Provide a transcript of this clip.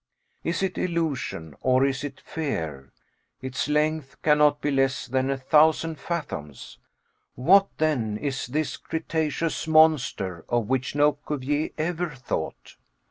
Is it illusion, or is it fear? Its length cannot be less than a thousand fathoms. What, then, is this cetaceous monster of which no Cuvier ever thought?